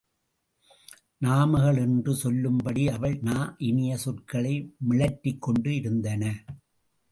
நாமகள் என்று சொல்லும்படி அவள் நா இனிய சொற்களை மிழற்றிக் கொண்டு இருந்தன.